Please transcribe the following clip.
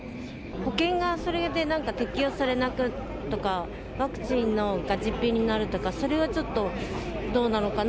保険がそれで適用されないとか、ワクチンが実費になるとか、それはちょっと、どうなのかな。